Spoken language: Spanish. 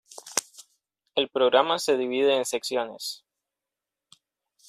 El programa se divide en secciones.